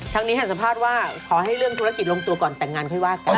นี้ให้สัมภาษณ์ว่าขอให้เรื่องธุรกิจลงตัวก่อนแต่งงานค่อยว่ากัน